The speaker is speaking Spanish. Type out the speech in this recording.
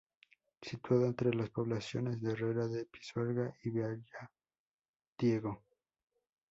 Situada entre las poblaciones de Herrera de Pisuerga y Villadiego.